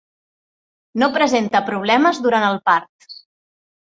No presenta problemes durant el part.